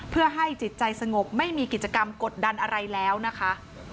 เพื่อให้จิตใจสงบไม่มีกิจกรรมกดดันอะไรแล้วนะคะ